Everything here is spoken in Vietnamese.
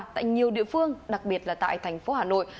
tại nhiều địa phương đặc biệt là tại thành phố hà nội